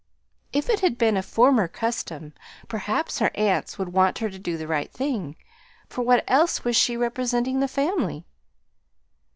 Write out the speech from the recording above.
If it had been a former custom, perhaps her aunts would want her to do the right thing; for what else was she representing the family?